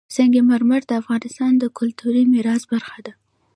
سنگ مرمر د افغانستان د کلتوري میراث برخه ده.